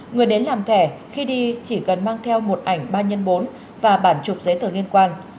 người đến làm thẻ khi đi chỉ cần mang theo một ảnh ba x bốn và bản chụp giấy tờ liên quan